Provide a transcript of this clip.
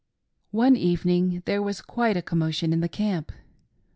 "One evening there was quite a commotion in the camp.